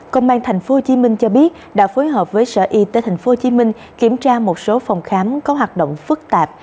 công an tp hcm cho biết đã phối hợp với sở y tế tp hcm kiểm tra một số phòng khám có hoạt động phức tạp